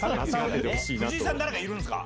藤井さん誰かいるんすか？